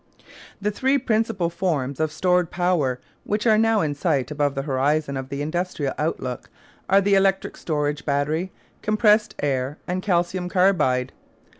The three principal forms of stored power which are now in sight above the horizon of the industrial outlook are the electric storage battery, compressed air, and calcium carbide.